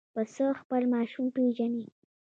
پسه خپل ماشوم پېژني.